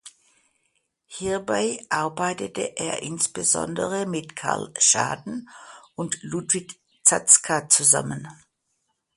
Hierbei arbeitete er insbesondere mit Karl Schaden und Ludwig Zatzka zusammen.